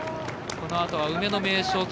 このあとは梅の名所